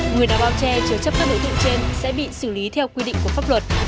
người nào báo che trừ chấp các đối tượng trên sẽ bị xử lý theo quy định của pháp luật